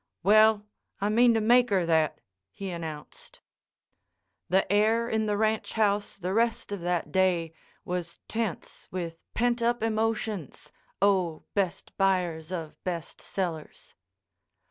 "Well, I mean to make her that," he announced. The air in the ranch house the rest of that day was tense with pent up emotions, oh, best buyers of best sellers.